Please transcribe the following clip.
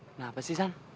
kenapa sih sam